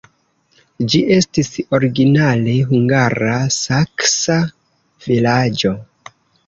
Ĝi estis originale hungara-saksa vilaĝo.